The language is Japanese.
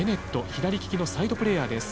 左利きのサイドプレーヤーです。